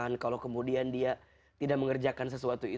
ada penyesalan kalau kemudian dia tidak mengerjakan istiqomah yang lain